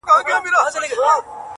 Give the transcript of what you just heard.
زما خوله كي شپېلۍ اشنا~